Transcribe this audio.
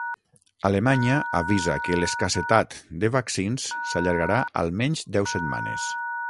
Alemanya avisa que l’escassetat de vaccins s’allargarà “almenys deu setmanes”